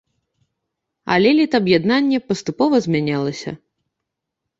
Але літаб'яднанне паступова змянялася.